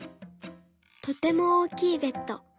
とてもおおきいベッド